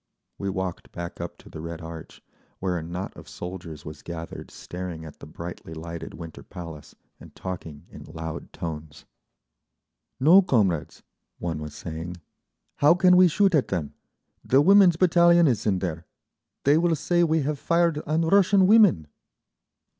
We walked back up to the Red Arch, where a knot of soldiers was gathered staring at the brightly lighted Winter Palace and talking in loud tones. "No, comrades," one was saying. "How can we shoot at them? The Women's Battalion is in there—they will say we have fired on Russian women."